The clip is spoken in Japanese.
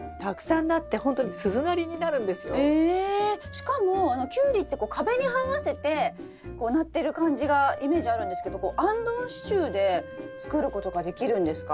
しかもキュウリって壁にはわせてこうなってる感じがイメージあるんですけどあんどん支柱で作ることができるんですか？